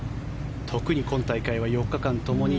特に今大会は４日間ともに